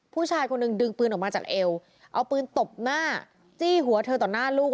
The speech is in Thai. ผู้ชายคนหนึ่งดึงปืนออกมาจากเอวเอาปืนตบหน้าจี้หัวเธอต่อหน้าลูก